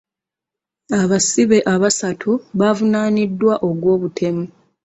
Abasibe abasatu baavunaaniddwa ogw'obutemu.